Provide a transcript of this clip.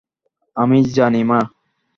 আমি জানি, মা।